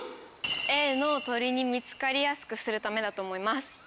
Ａの鳥に見つかりやすくするためだと思います。